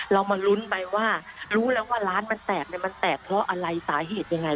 เรามาลุ้นไปว่ารู้แล้วว่าร้านมันแตกมันแตกเพราะอะไรสาเหตุยังไง